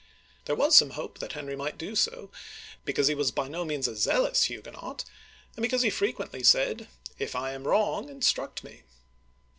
*' There was some hope that Henry might do so, because he was by no means a zealous Huguenot, and because he fre quently said, " If I am wrong, instruct me